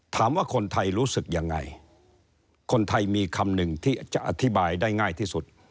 ถามว่าคนไทยรู้สึกยังไงคนไทยมีคำหนึ่งที่จะอธิบายได้ง่ายที่สุด